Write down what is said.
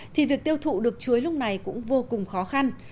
thì việc tiêu thụ được chuối lúc này cũng vô cùng khó khăn